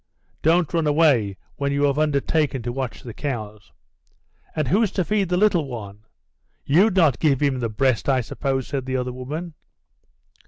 "Don't run away when you have undertaken to watch the cows." "And who's to feed the little one? You'd not give him the breast, I suppose?" said the other woman.